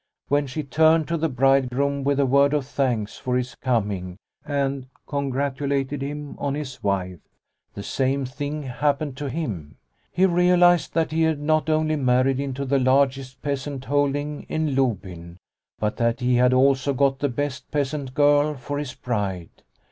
When she turned to the bridegroom with a word of thanks for his coming and congratulated him on his wife, the same thing happened to him. He realised that he had not only married into the largest peasant holding in Lobyn, but that he had ii2 Liliecrona's Home also got the best peasant girl for his bride.